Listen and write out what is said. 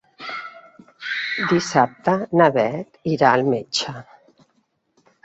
Dissabte na Beth irà al metge.